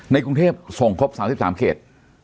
กรุงเทพส่งครบ๓๓เขต